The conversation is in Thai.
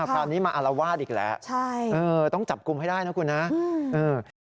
คราวนี้มาอารวาสอีกแล้วใช่เออต้องจับกลุ่มให้ได้นะคุณนะ